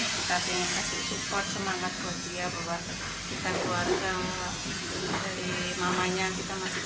ketidakhadiran vanessa angel ini sekaligus mengecewakan keluarganya yang telah menunggu sekitar enam jam untuk bertemu vanessa